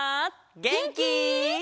げんき？